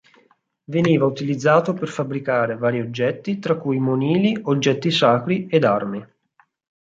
Veniva utilizzato per fabbricare vari oggetti, tra cui monili, oggetti sacri ed armi.